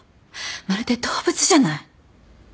まるで動物じゃない！